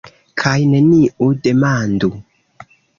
Kaj neniu demandu.